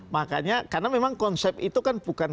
makanya karena memang konsep itu kan bukan